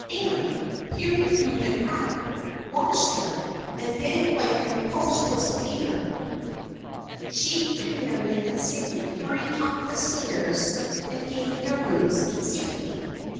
Anne, peering through the crack, watched them, and then when the coast was clear 92 THE FRIENDSHIP OF ANNE she and Marion and Sydney hurried up the stairs and gained their rooms in safety.